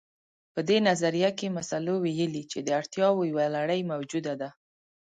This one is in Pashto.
په دې نظريه کې مسلو ويلي چې د اړتياوو يوه لړۍ موجوده ده.